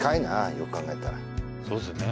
よく考えたらそうですよね